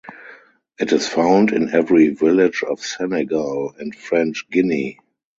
It is found in every village of Senegal and French Guinea.